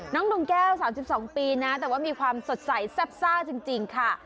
น้องดงแก้ว๓๒ปีนะแต่ว่ามีความสดใสแซ่บซ่าจริงค่ะ